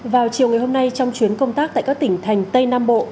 vào chiều ngày hôm nay trong chuyến công tác tại các tỉnh thành tây nam bộ